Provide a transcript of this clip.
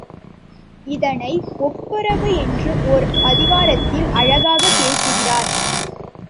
இதனை ஒப்பரவு என்ற ஓர் அதிகாரத்தில் அழகாகப் பேசுகிறார்.